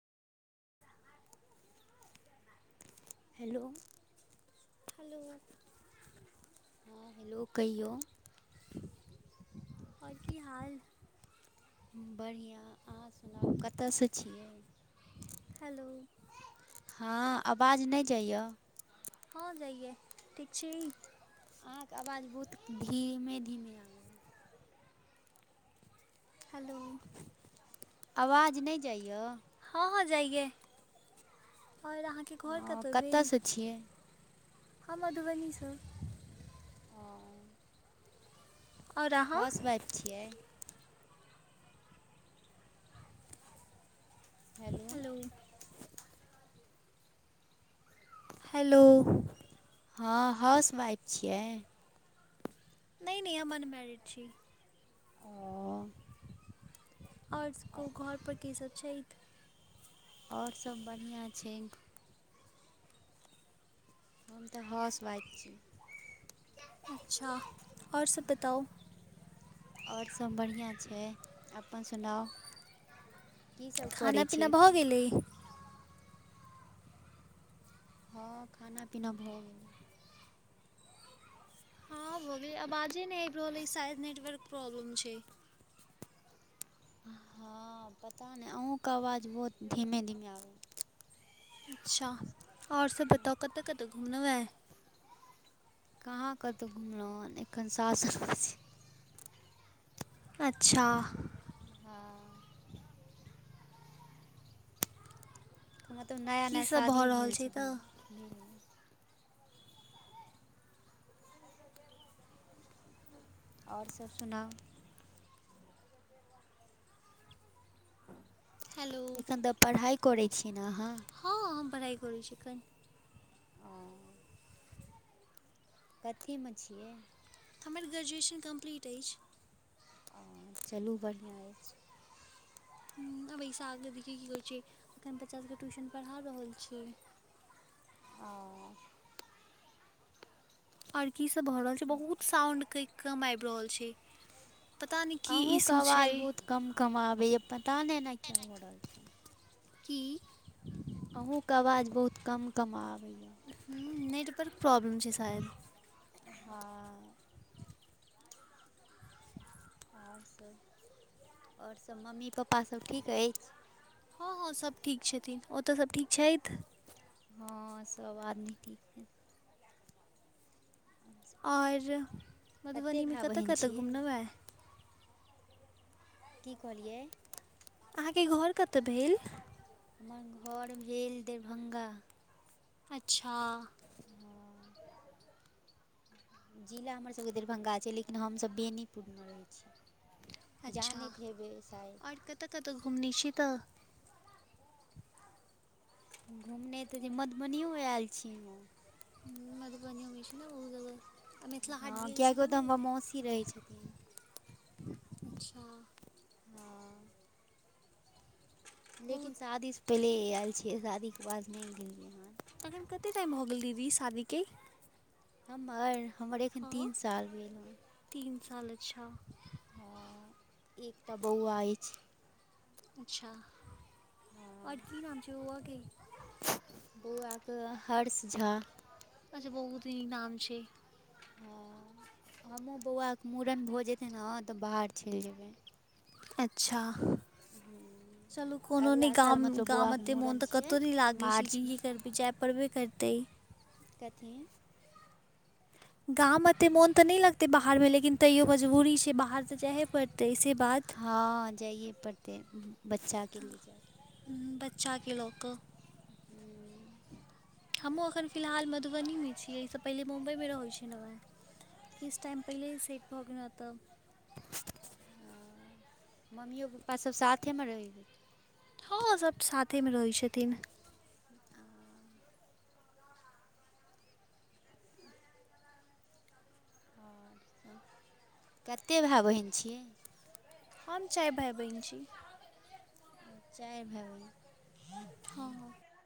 Hello hello हां hello कहियौ। आओर की हाल? बढ़िया अहां सुनाउ कतय से छियै? हेलो। हां आवाज नै जाय यै। हां जाए यै, ठीक छी। अहांके आवाज बहुत धीमे-धीमे आबै यै। हेलो। आवाज नै जाइयै? हां-हां जाइ यै और अहांके घर हँ, कतय भेल? कतयसँ छियै हम मधुबनी से। हां। आओर अहाँ हाउस-वाइफ छियै। हेलो। हेलो। हां हाउस वाइफ छियै। नै-नै हम अनमैरेड छीयै। ओ, और सब कहु घर पर के सब छैथ। और सब बढ़िया छैय। हम तै हाउस वाइफ छीयै। अच्छा और सब बताउ? और सब बढ़िया छै, अपन सुनाउ। की सब खाना करय पीना छियै भऽ अखन। गेलै हां खाना-पीना भ गेलय। हें अबाजे नै अएब रहल ऐछ सायद नेटवर्क प्रॉब्लम छै। हां पता नै अहुंक आवाज बहुत धीमे-धीमे आबैय अच्छा और सब बताउ कतय-कतय घुमलौ ऐ? कहा कतो घुमलौ ए एखन सास-ससुरजी अच्छा। हां। मतलब की नया-नया सब भऽ शादीए रहल भेल छै न तऽ ओहि लिए। और सब सुनाउ? हेलो ऐखन तै पढ़ाइ करै छीयै न अहां? हां हम पढ़ाइ करै छीयै अखन। ओ। कते में छियै। हमर ग्रजुऐशन कमप्लीट ऐछ। ओ चलू बढ़िया ऐछ। उम्म आब ए से आगे देखियौ की करै छियै अखन बच्चा सबके ट्यूशन पढ़ा रहल छियै। ओ और की सब भऽ रहल छै बहुत साउण्डके कम आएब रहल छै। पता नै की इशू छै। कम-कम आबय यै पता नै एना क्या की? अहुंके आवाज बहुत कम-कम आबै यै। हूँ नेटवर्क प्रॉब्लम छै शायद। हां। और सब, और सब मम्मी-पप्पा सब ठीक एछ? हां सब ठीक छथिन, ओतऽ सब ठीक छैथ? हां सब आदमी ठीक छै। और कतेक मधुबनीमे भाय बहिन कतऽ-कतऽ छियै घूमलौ अय? की कहलियै। अहाँ के घर कता भेल? हमर घर भेल दरभंगा। अच्छा। जिला हमर सबके दरभंगा छै, लेकिन हम सब बेनीपुर मे रहै छी ‌। जानैत हेबै शाय तऽ कतऽ घुमने छी तऽ? घूमने तऽ जे मधुबनियो आएल छी हम। उम्म मधुबनी हमेशा ने बहुत जादा हां कियाकि ओता हमर मौसी रहै छथिन। अच्छा। हँ बहुत लेकिन शादी से पहिले आएल छियै, शादीके बाद नै गेलियै हन। अखन कते टाइम भऽ गेल दीदी शादीके। हमर, हमर एखन हँ तीन साल भेल हय। तीन साल अच्छा। हँ एकटा बौअवा एछ। अच्छा और की नाम छै बौअवा के? बौअवा के हर्ष झा। अच्चा बहुत इ नाम छै। हां हमु बौअवा के मूड़न भऽ जेतै ना तऽ बाहर चैल जेबै। अच्छा। हूँ चलु कोनो नै अगिला साल गाम, मतलब गाम बौआके एते मूड़न मोन तऽ छियै कतौ नै लागै छै लेकिन मार्चमे की कर बे जाय पड़बे करतै। कथी? गाम एते मोन तऽ नै लगते बाहर मे, लेकिन तैयो मजबूरी छै बाहर तऽ जाएहे पड़तै से बात। हां जाइये पड़तै, बच्चा के लिए जाय हुं बच्चा के लऽ कऽ। हुं। हमु अखन फिलहाल मधुबनी मे छियै, ए से पहले मुम्बय मे रहै छलौ आए। किछ टाइम पहिले सेट भऽ गेलौ एतऽ। मम्मियो, पप्पा सब साथेमे रहैया। हां सब साथे मे रहै छथिन। कते भाय-बहिन छियै? हम चाएर भाय-बहिन छी। चाएर भाय-बहिन। हां-हां।